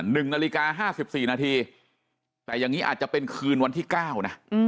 ๑นาฬิกา๕๔นาทีแต่อย่างนี้อาจจะเป็นคืนวันที่๙นะ